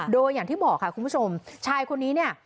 โดยอย่างที่บอกค่ะคุณผู้ชมชายคนนี้เนี่ย